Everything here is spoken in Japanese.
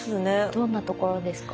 どんなところですか？